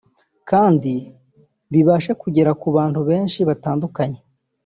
kandi bibashe kugera ku bantu benshi batandukanye